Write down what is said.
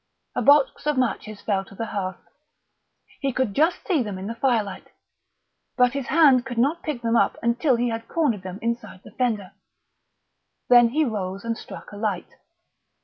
A box of matches fell to the hearth. He could just see them in the firelight, but his hand could not pick them up until he had cornered them inside the fender. Then he rose and struck a light.